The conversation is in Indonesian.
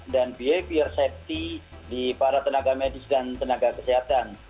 dan behavior safety di para tenaga medis dan tenaga kesehatan